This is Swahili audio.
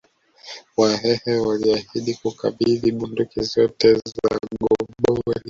Wahehe waliahidi Kukabidhi bunduki zote za gobori